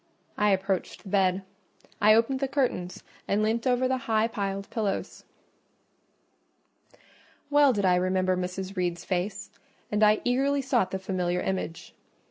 I approached the bed; I opened the curtains and leant over the high piled pillows. Well did I remember Mrs. Reed's face, and I eagerly sought the familiar image.